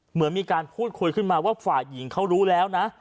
เหมือนมีการพูดคุยขึ้นมาว่าฝ่ายหญิงเขารู้แล้วนะ